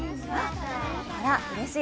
あら、うれしい。